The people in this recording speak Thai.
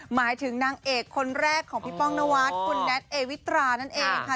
หมายถึงนางเอกคนแรกของพี่ป้องนวัดคุณแน็ตเอวิตรานั่นเองค่ะ